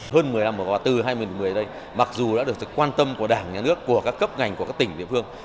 hơn một mươi năm vừa qua từ hai nghìn một mươi đến đây mặc dù đã được sự quan tâm của đảng nhà nước của các cấp ngành của các tỉnh địa phương